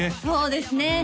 そうですね